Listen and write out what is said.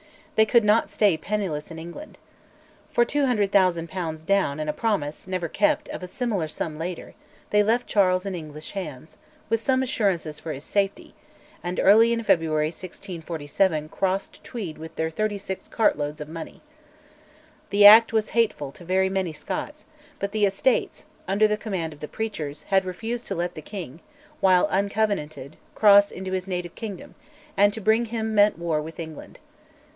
They could not stay penniless in England. For 200,000 pounds down and a promise, never kept, of a similar sum later, they left Charles in English hands, with some assurances for his safety, and early in February 1647 crossed Tweed with their thirty six cartloads of money. The act was hateful to very many Scots, but the Estates, under the command of the preachers, had refused to let the king, while uncovenanted, cross into his native kingdom, and to bring him meant war with England.